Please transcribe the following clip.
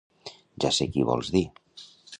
—Ja sé qui vols dir.